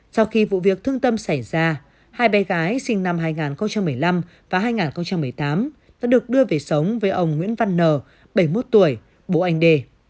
sau khi vụ việc thương tâm xảy ra hai bé gái sinh năm hai nghìn một mươi năm và hai nghìn một mươi tám đã được đưa về sống với ông nguyễn văn n bảy mươi một tuổi bố anh đề